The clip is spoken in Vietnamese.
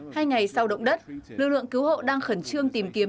hai ngày sau động đất lưu lượng cứu hộ đang khẩn trương tìm kiếm